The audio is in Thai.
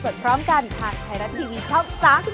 สวัสดีครับ